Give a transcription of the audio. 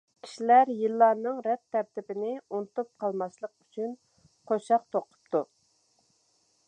كىشىلەر يىللارنىڭ رەت تەرتىپىنى ئۇنتۇپ قالماسلىق ئۈچۈن قوشاق توقۇپتۇ.